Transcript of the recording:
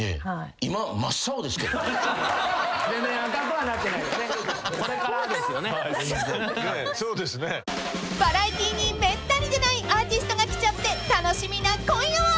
［バラエティーにめったに出ないアーティストが来ちゃって楽しみな今夜は！］